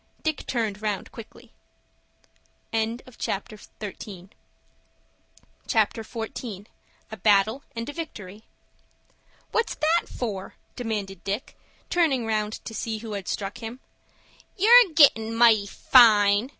Dick turned round quickly. CHAPTER XIV. A BATTLE AND A VICTORY "What's that for?" demanded Dick, turning round to see who had struck him. "You're gettin' mighty fine!"